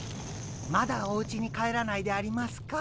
まだおうちに帰らないでありますか？